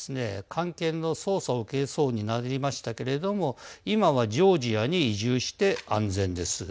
関係の捜査を受けそうになりましたけれども今はジョージアに移住して安全です。